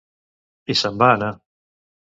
I se'n va anar.